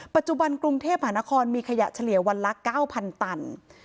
ปัจจุบันกรุงเทพหานครมีขยะเฉลี่ยวันละ๙๐๐ตัน